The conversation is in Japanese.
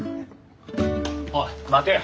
おい待てや。